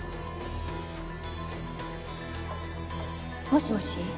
もしもし。